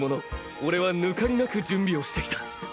俺は抜かりなく準備をしてきた。